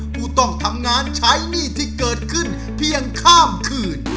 ผู้ต้องทำงานใช้มีดที่เกิดขึ้นเพียงข้ามคืน